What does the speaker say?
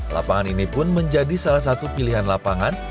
lapangan ini pun menjadi salah satu pilihan lapangan